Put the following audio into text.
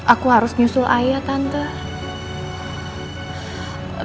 aku harus nyusul ayah tante